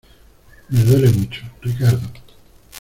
me duele mucho. Ricardo .